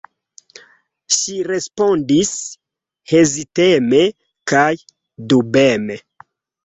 Ŝi respondis heziteme kaj dubeme: